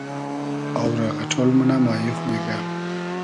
آو رۂ غئݖۉل مونۂ مایی خو میگرۂ